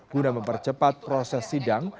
guna mempercepat proses sidang